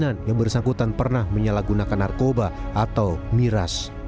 dan kemungkinan yang bersangkutan pernah menyalahgunakan narkoba atau miras